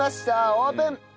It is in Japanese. オープン！